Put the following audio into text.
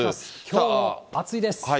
きょうは暑いです。